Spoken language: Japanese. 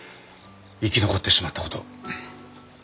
生き残ってしまったことを。